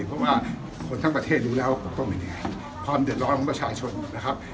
เพราะว่าคนทั้งประเทศรู้แล้วว่ากบต้มเป็นยังไงความเดือดร้อนของประชาชนนะครับ